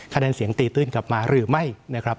คะแนนเสียงตีตื้นกลับมาหรือไม่นะครับ